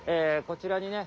こちらにね